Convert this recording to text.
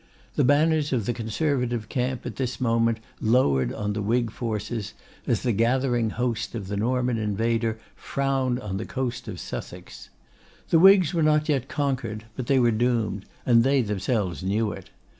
The banners of the Conservative camp at this moment lowered on the Whig forces, as the gathering host of the Norman invader frowned on the coast of Sussex. The Whigs were not yet conquered, but they were doomed; and they themselves knew it.